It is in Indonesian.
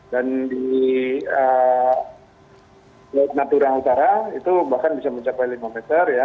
dan di laut natura utara itu bahkan bisa mencapai lima meter